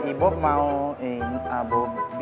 ibu mau ingin abob